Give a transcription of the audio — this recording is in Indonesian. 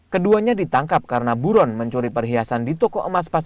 keduanya ditangkap karena buron mencuri perhiasan di toko emas